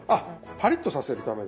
パリッとさせるため。